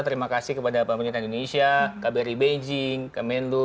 terima kasih kepada pemerintah indonesia kbri beijing kemenlu